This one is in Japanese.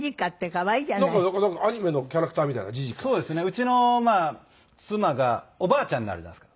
うちの妻がおばあちゃんになるじゃないですか。